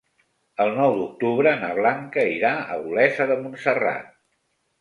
El nou d'octubre na Blanca irà a Olesa de Montserrat.